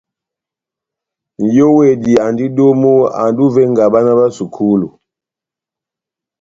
Nʼyówedi andi domu, andi ó ivenga bána bá sukulu.